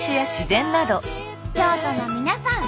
京都の皆さん